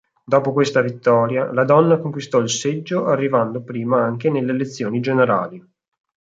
Dopo questa vittoria, la donna conquistò il seggio arrivando prima anche nelle elezioni generali.